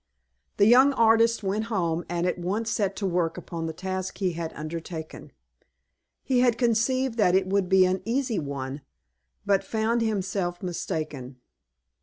The young artist went home, and at once set to work upon the task he had undertaken. He had conceived that it would be an easy one, but found himself mistaken.